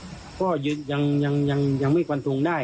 และก็คือว่าถึงแม้วันนี้จะพบรอยเท้าเสียแป้งจริงไหม